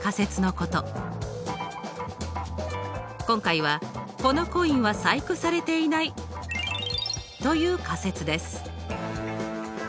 今回は「このコインは細工されていない」という仮説です。